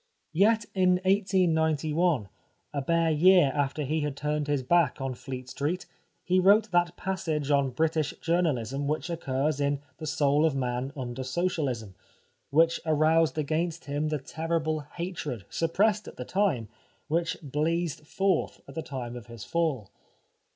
Yet in 1891, a bare year after he had turned his back on Fleet Street, he wrote that passage on British journalism which occurs in *' The Soul of Man Under Socialism," which aroused against him the terrible hatred, suppressed at the time, which blazed forth at the time of his fall.